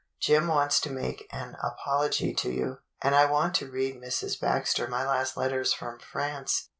^ Jim wants to make an apology to you, and I want to read Mrs. Baxter my last letters from France.